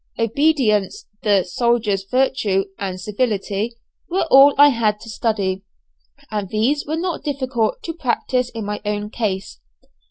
Obedience the soldiers' virtue and civility, were all I had to study, and these were not difficult to practice in my own case.